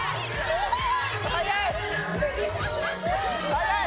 速い。